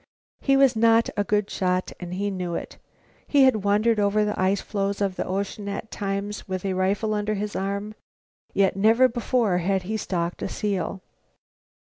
He was not a good shot and knew it. He had wandered over the ice floes of the ocean at times with a rifle under his arm, yet never before had he stalked a seal.